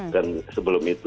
dan sebelum itu